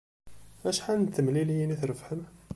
Acḥal n temliliyin i trebḥem?